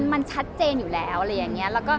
มันชัดเจนอยู่แล้วอะไรอย่างนี้